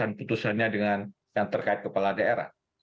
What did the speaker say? yang putusannya dengan yang terkait kepala daerah